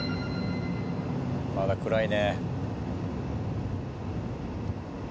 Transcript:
まだ暗いね。